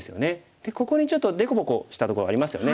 でここにちょっと凸凹したところありますよね。